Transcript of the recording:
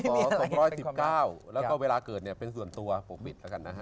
พอสตร์๖๑๙แล้วก็เวลาเกิดเป็นส่วนตัวปกปิดแล้วกันนะครับ